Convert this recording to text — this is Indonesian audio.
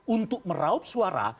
untuk meraup suara